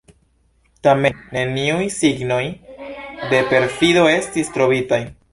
Tamen, neniuj signoj de perfido estis trovitaj.